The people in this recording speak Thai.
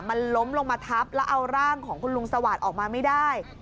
มันล้มลงมาทับแล้วเอาร่างของคุณลุงสวัสดิ์ออกมาไม่ได้